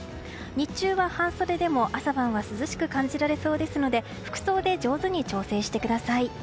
日中は半袖でも、朝晩は涼しく感じられそうですので服装で上手に調整してください。